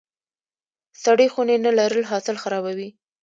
سړې خونې نه لرل حاصل خرابوي.